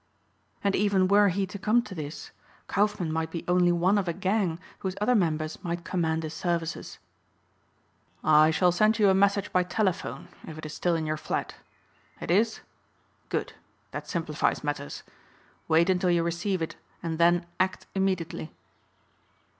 And even were he to come to this Kaufmann might be only one of a gang whose other members might command his services. "I shall send you a message by telephone if it is still in your flat. It is? Good. That simplifies matters. Wait until you receive it and then act immediately."